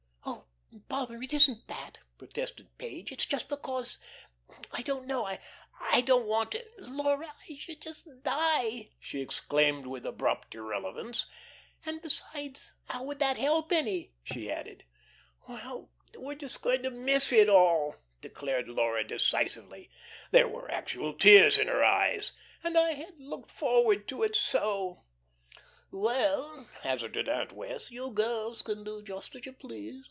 "Oh, bother; it isn't that," protested Page. "But it's just because I don't know, I don't want to Laura, I should just die," she exclaimed with abrupt irrelevance, "and besides, how would that help any?" she added. "Well, we're just going to miss it all," declared Laura decisively. There were actual tears in her eyes. "And I had looked forward to it so." "Well," hazarded Aunt Wess', "you girls can do just as you please.